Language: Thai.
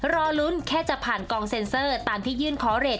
รอลุ้นแค่จะผ่านกองเซ็นเซอร์ตามที่ยื่นขอเรท